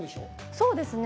そうですね。